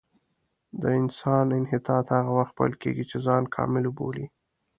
د انسان انحطاط هغه وخت پیل کېږي چې ځان کامل وبولي.